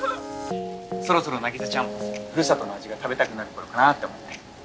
そろそろ凪沙ちゃんふるさとの味が食べたくなる頃かなって思って。